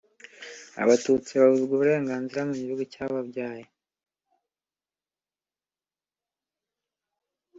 abatutsi babuzwa uburenganzira mu gihugu cyababyaye